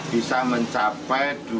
bisa mencapai dua puluh ton